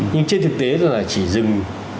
nhưng trên thực tế là chỉ dừng